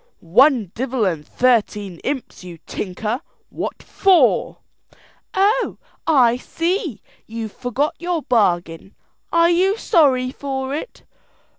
"One divel and thirteen imps, you tinker! what for?" "Oh, I see, you've forgot your bargain. Are you sorry for it?"